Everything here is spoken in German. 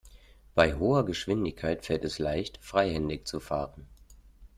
Bei hoher Geschwindigkeit fällt es leicht, freihändig zu fahren.